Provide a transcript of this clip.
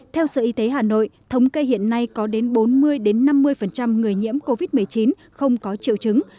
theo sở y tế hà nội thống kê hiện nay có đến bốn mươi năm mươi người nhiễm covid một mươi chín không có triệu chứng